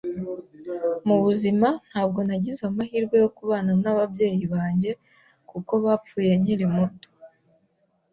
Mu buzima ntabwo nagize amahirwe yo kubana n’ababyeyi banjye kuko bapfuye nkiri muto